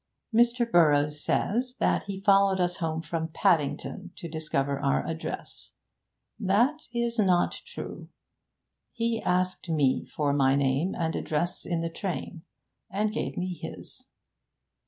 'Mr. Burroughs says that he followed us home from Paddington to discover our address. That is not true. He asked me for my name and address in the train, and gave me his.'